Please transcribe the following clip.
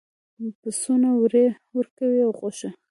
پسونه وړۍ ورکوي او غوښه.